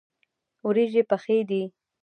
وریژې پخې دي.